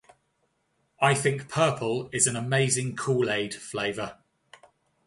I think purple is an amazing kool-aid flavor.